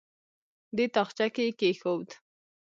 دې تاخچه کې یې کېښود.